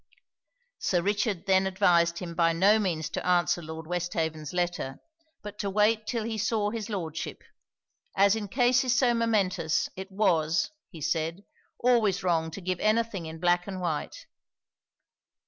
Sir Richard then advised him by no means to answer Lord Westhaven's letter, but to wait till he saw his Lordship; as in cases so momentous, it was, he said, always wrong to give any thing in black and white.